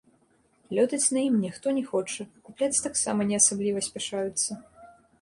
Лётаць на ім ніхто не хоча, купляць таксама не асабліва спяшаюцца.